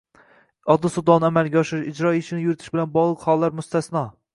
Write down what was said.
odil sudlovni amalga oshirish, ijro ishini yuritish bilan bog‘liq hollar mustasno